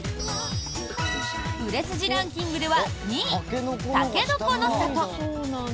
売れ筋ランキングでは２位たけのこの里。